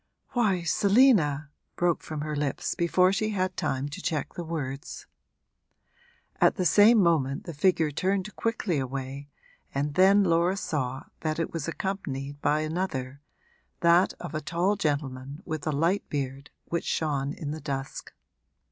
'Why, Selina!' broke from her lips before she had time to check the words. At the same moment the figure turned quickly away, and then Laura saw that it was accompanied by another, that of a tall gentleman with a light beard which shone in the dusk.